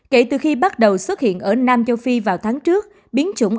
kể từ khi bắt đầu xuất hiện ở nam châu phi vào tháng trước biến chủng